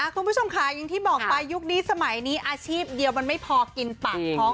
คุณผู้ชมค่ะอย่างที่บอกไปยุคนี้สมัยนี้อาชีพเดียวมันไม่พอกินปากท้อง